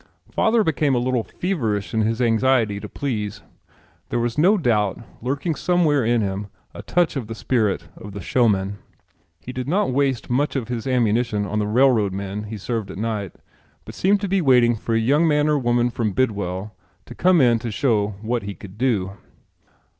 Father became a little feverish in his anxiety to please. There was no doubt, lurking somewhere in him, a touch of the spirit of the showman. He did not waste much of his ammunition on the railroad men he served at night but seemed to be waiting for a young man or woman from Bidwell to come in to show what he could do.